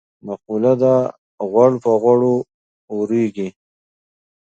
مقوله ده: غوړ په غوړو اورېږي.